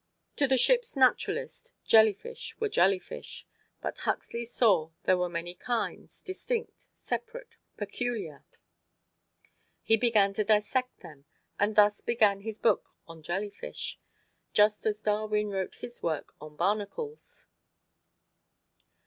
To the ship's naturalist, jellyfish were jellyfish, but Huxley saw that there were many kinds, distinct, separate, peculiar. He began to dissect them and thus began his book on jellyfish, just as Darwin wrote his work on barnacles.